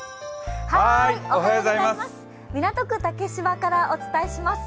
港区竹芝からお伝えします。